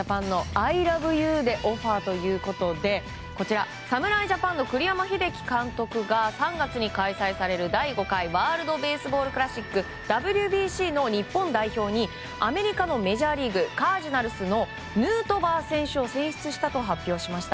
アイラブユーでオファーということで侍ジャパンの栗山英樹監督が３月に開催される第５回、ワールド・ベースボール・クラシック・ＷＢＣの日本代表にアメリカのメジャーリーグ、カージナルスのヌートバー選手を選出したと発表しました。